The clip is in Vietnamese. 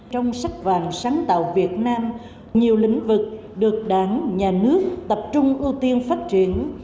trong sách vàng sáng tạo việt nam nhiều lĩnh vực được đảng nhà nước tập trung ưu tiên phát triển